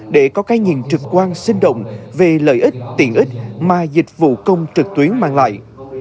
để có cái nhìn trực quan sinh động về lợi ích tiện ích mà dịch vụ công trực tuyến mang lại